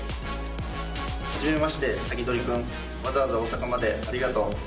初めましてサキドリくんわざわざ大阪までありがとう。